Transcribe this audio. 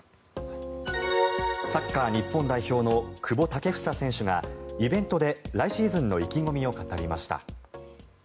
サッカー日本代表の久保建英選手がイベントで来シーズンの意気込みを語りました。